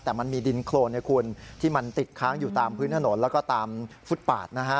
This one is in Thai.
แต่มันมีดินโครนที่มันติดค้างอยู่ตามพื้นถนนแล้วก็ตามฟุตปาดนะฮะ